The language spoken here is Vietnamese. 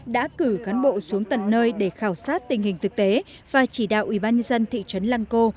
đã cử cán bộ xuống tận nơi để khảo sát tình hình thực tế và chỉ đạo ủy ban nhân dân thị trấn lăng cô